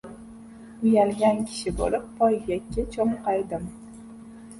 Uyalgan kishi bo‘lib, poygakka cho‘nqaydim.